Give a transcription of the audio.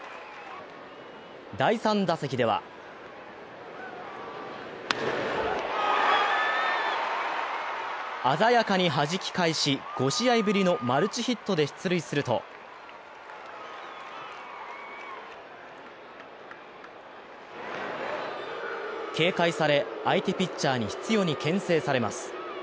第３打席では鮮やかにはじき返し、５試合ぶりのマルチヒットで出塁すると警戒され、相手ピッチャーに執ようにけん制されます。